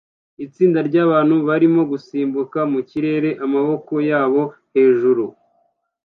Itsinda ryabantu barimo gusimbuka mu kirere amaboko yabo hejuru